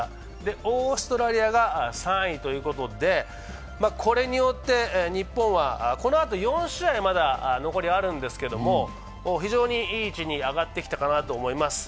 オーストラリアが３位ということで、これによって日本は、このあと４試合、残りあるんですが、非常にいい位置に上がってきたかなと思います。